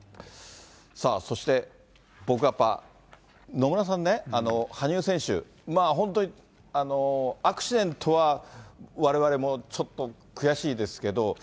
そして僕、やっぱ、野村さんね、羽生選手、本当にアクシデントはわれわれもちょっと、悔しいですけど。